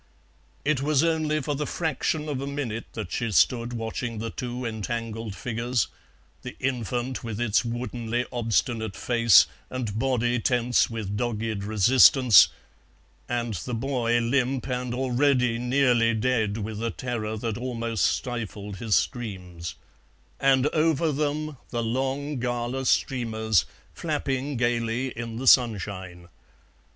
It was only for the fraction of a minute that she stood watching the two entangled figures, the infant with its woodenly obstinate face and body tense with dogged resistance, and the boy limp and already nearly dead with a terror that almost stifled his screams; and over them the long gala streamers flapping gaily in the sunshine.